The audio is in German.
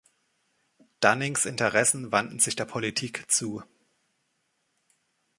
Dunnings Interessen wandten sich der Politik zu.